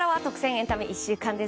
エンタメ１週間です。